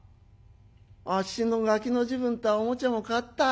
あっしのがきの時分とはおもちゃも変わった。